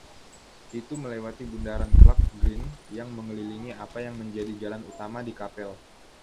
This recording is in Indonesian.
Itu melewati bundaran Clark Green, yang mengelilingi apa yang menjadi jalan utama di Kapel.